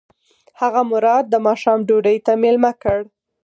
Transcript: هغه مراد د ماښام ډوډۍ ته مېلمه کړ.